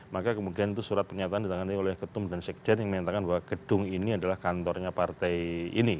maka kemudian itu surat pernyataan ditangani oleh ketum dan sekjen yang menyatakan bahwa gedung ini adalah kantornya partai ini